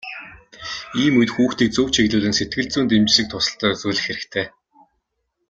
Ийм үед хүүхдийг зөв чиглүүлэн сэтгэл зүйн дэмжлэг туслалцаа үзүүлэх хэрэгтэй.